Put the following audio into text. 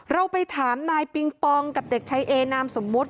เราไปถามนายปิงปองกับเด็กชายเอนามสมมุติ